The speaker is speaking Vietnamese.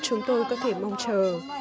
chúng tôi có thể mong chờ